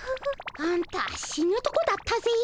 あんた死ぬとこだったぜ。